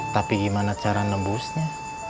tapi gimana cara nebusnya